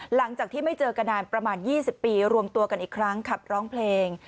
หลังจากที่ไม่เจอกันนานประมาณ๒๐ปีรวมตัวกันอีกครั้งขับร้องเพลง